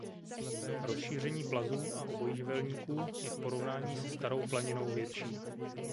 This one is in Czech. Rozšíření plazů a obojživelníků je v porovnání se Starou planinou větší.